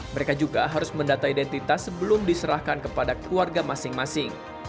mereka juga harus mendata identitas sebelum diserahkan kepada keluarga masing masing